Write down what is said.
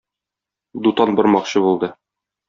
Дутан бармакчы булды.